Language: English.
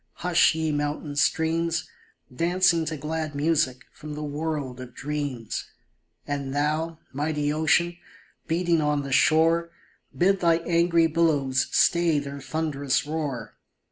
Hush, ye mountain streams. Dancing to glad music from the world of dreams ! And thou, mighty ocean, beating on the shore, Bid thy angry billows stay their thunderous roar